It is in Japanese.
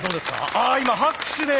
あ今拍手で。